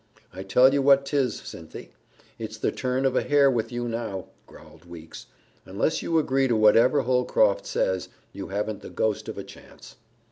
"I tell you what 'tis, Cynthy, it's the turn of a hair with you now," growled Weeks. "Unless you agree to whatever Holcroft says, you haven't the ghost of a chance."